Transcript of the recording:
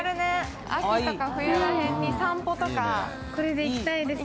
秋とか冬らへんに散歩とかこれで行きたいです。